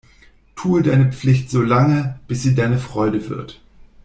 Tue deine Pflicht so lange, bis sie deine Freude wird.